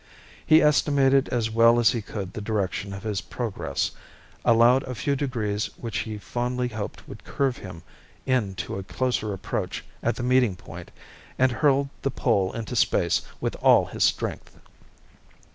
He estimated as well as he could the direction of his progress, allowed a few degrees which he fondly hoped would curve him in to a closer approach at the meeting point, and hurled the pole into space with all his strength.